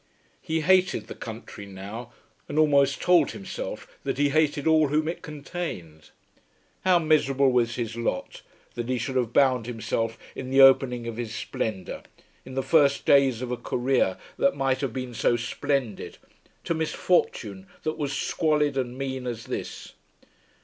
He hated the country now, and almost told himself that he hated all whom it contained. How miserable was his lot, that he should have bound himself in the opening of his splendour, in the first days of a career that might have been so splendid, to misfortune that was squalid and mean as this.